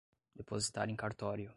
depositar em cartório